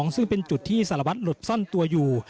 ซึ่งเป็นจุดที่สารวัตรหลบซ่อนตัวอยู่